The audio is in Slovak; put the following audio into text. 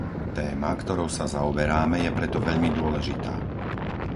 Téma, ktorou sa zaoberáme, je preto veľmi dôležitá.